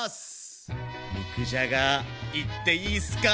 肉じゃがいっていいっすか。